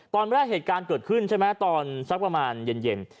ตอนแรกเหตุการณ์เกิดขึ้นใช่ไหมตอนสักประมาณเย็น